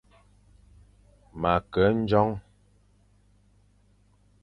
Ma ke ndjong.